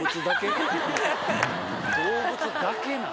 動物だけなん？